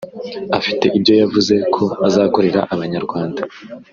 afite ibyo yavuze ko azakorera Abanyarwanda